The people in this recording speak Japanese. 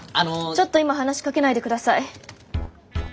ちょっと今話しかけないで下さい。